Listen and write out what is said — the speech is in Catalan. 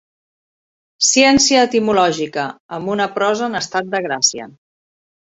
«ciència etimològica» amb una prosa en estat de gràcia.